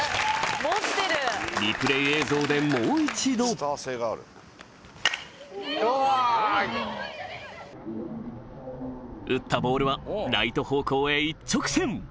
リプレイ映像でもう一度打ったボールはライト方向へ一直線！